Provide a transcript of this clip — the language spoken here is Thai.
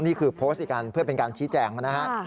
นี่คือโพสต์อีกกันเพื่อเป็นการชี้แจงนะฮะ